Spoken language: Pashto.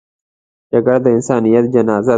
جګړه د انسانیت جنازه ده